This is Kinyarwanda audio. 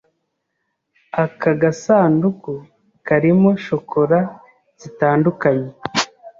Aka gasanduku karimo shokora zitandukanye.